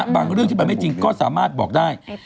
เรื่องที่มันไม่จริงก็สามารถบอกได้